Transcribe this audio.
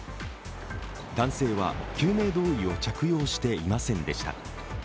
男性は救命胴衣を着用していませんでした。